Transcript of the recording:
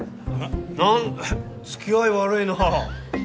なん付き合い悪いなぁ。